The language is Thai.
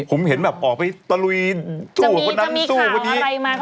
ผมเห็นออกไปตะลุยดูกับคนนั้นกรุงคนนี้จะมีข่าวอะไรหรือไม่